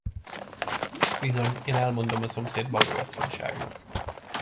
Bizony, én elmondom a szomszéd bagolyasszonyságnak!